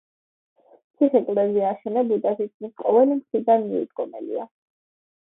ციხე კლდეზეა აშენებული და თითქმის ყოველი მხრიდან მიუდგომელია.